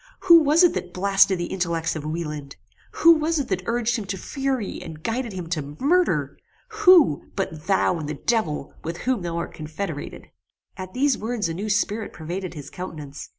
Who was it that blasted the intellects of Wieland? Who was it that urged him to fury, and guided him to murder? Who, but thou and the devil, with whom thou art confederated?" At these words a new spirit pervaded his countenance.